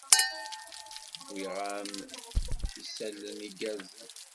Wwiɣ-am-d isalan igerrzen.